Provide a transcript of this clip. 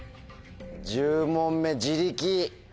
１０問目自力！